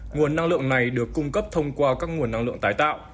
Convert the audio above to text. nguồn năng lượng này được cung cấp thông qua các nguồn năng lượng tái tạo